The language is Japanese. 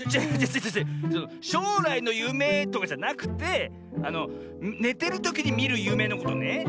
しょうらいのゆめとかじゃなくてあのねてるときにみるゆめのことね。